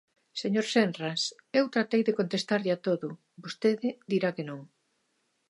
Señor Senras, eu tratei de contestarlle a todo, vostede dirá que non.